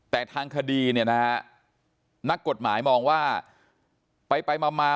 แต่ทางคดีเนี่ยนะฮะนักกฎหมายมองว่าไปมา